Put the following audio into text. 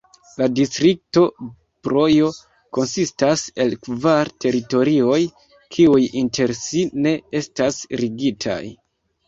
La distrikto Brojo konsistas el kvar teritorioj, kiuj inter si ne estas ligitaj.